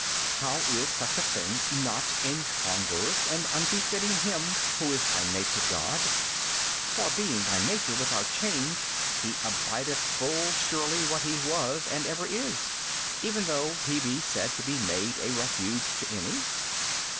B. How is such a thing not incongruous and unbefitting Him Who is by Nature God: for being by Nature without change, He abideth full surely what He was and ever is, even though He be said to be made a refuge to any?